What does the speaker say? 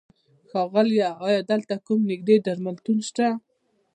ښاغيله! ايا دلته کوم نيږدې درملتون شته؟